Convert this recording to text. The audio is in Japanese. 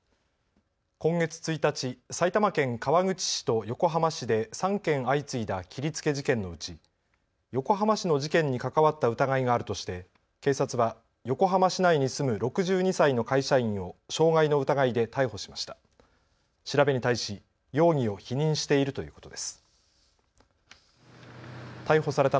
今月１日、埼玉県川口市と横浜市で３件相次いだ切りつけ事件のうち、横浜市の事件に関わった疑いがあるとして警察は横浜市内に住む６２歳の会社員を傷害の疑いで逮捕しました。